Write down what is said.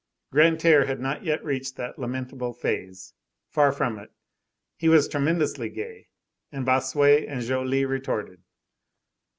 Grantaire had not yet reached that lamentable phase; far from it. He was tremendously gay, and Bossuet and Joly retorted.